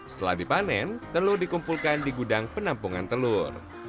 setelah dipanen telur dikumpulkan di gudang penampungan telur